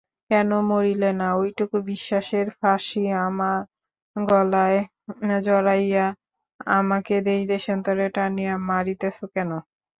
কেন মরিলে না–ঐটুকু বিশ্বাসের ফাঁসি আমার গলায় জড়াইয়া আমাকে দেশদেশান্তরে টানিয়া মারিতেছ কেন।